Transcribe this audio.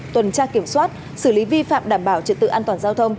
tuần tra kiểm soát xử lý vi phạm đảm bảo trật tự an toàn giao thông